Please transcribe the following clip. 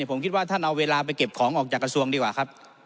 ผมคิดว่าท่านเอาเวลาไปเก็บของออกจากกระทรวงดีกว่าครับ